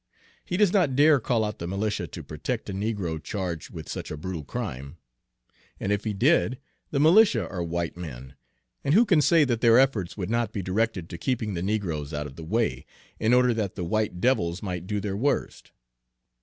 He does not dare call out the militia to protect a negro charged with such a brutal crime; and if he did, the militia are white men, and who can say that their efforts would not be directed to keeping the negroes out of the way, in order that the white devils might do their worst?